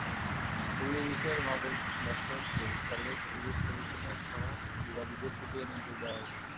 পুলিশের মহাপরিদর্শক, বরিশালের পুলিশ কমিশনারসহ বিবাদীদের প্রতি এ নির্দেশ দেওয়া হয়েছে।